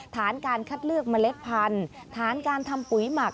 ฐานการคัดเลือกเมล็ดพันธุ์ฐานการทำปุ๋ยหมัก